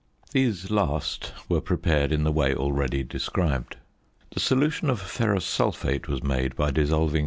These last were prepared in the way already described. The solution of ferrous sulphate was made by dissolving 5.